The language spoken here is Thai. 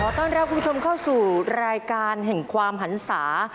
ต้อนรับคุณผู้ชมเข้าสู่รายการแห่งความหันศา